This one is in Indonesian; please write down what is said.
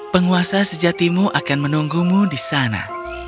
penguasa sejatimu akan menunggumu di sana